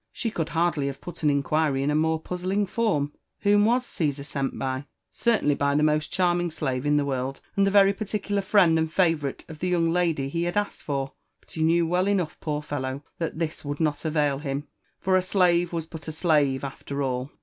She could hardly have put an inquiry in a more puzzling form. Whom was Caesar sent by? certainly by the most charming slave in the world, and the very particular friend and favourite of the yoang lady he had asked for ; but he knew well enough, poor fellow, that this would not avail him, for a slave was but a slave after all.